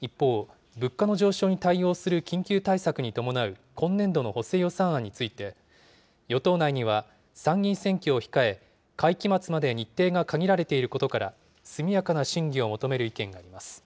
一方、物価の上昇に対応する緊急対策に伴う今年度の補正予算案について、与党内には参議院選挙を控え、会期末まで日程が限られていることから、速やかな審議を求める意見があります。